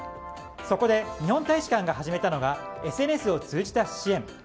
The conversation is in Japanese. そこで日本大使館が始めたのがＳＮＳを通じた支援。